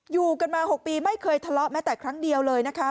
อยู่กันมา๖ปีไม่เคยทะเลาะแม้แต่ครั้งเดียวเลยนะคะ